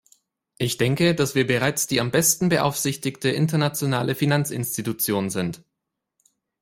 Ich denke, dass wir bereits die am besten beaufsichtigte internationale Finanzinstitution sind.